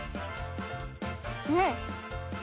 うん！